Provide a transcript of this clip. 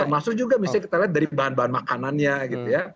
termasuk juga misalnya kita lihat dari bahan bahan makanannya gitu ya